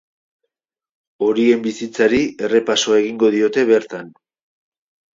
Horien bizitzari errepasoa egingo diote bertan.